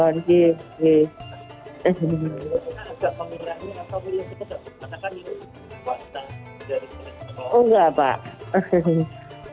biasanya ada pemirahnya atau ada yang dikejok